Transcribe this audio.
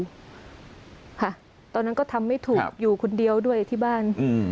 ค่ะตอนนั้นก็ทำไม่ถูกอยู่คนเดียวด้วยที่บ้าน